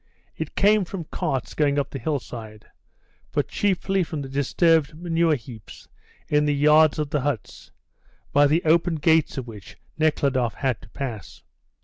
It came from carts going up the hillside, but chiefly from the disturbed manure heaps in the yards of the huts, by the open gates of which Nekhludoff had to pass.